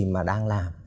mà đang làm